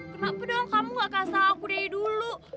kenapa dong kamu gak kasih aku dari dulu